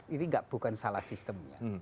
ini bukan salah sistemnya